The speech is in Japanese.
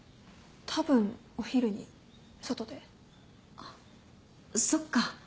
あっそっか。